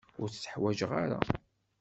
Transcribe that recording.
Ur t-ḥwaǧeɣ ara.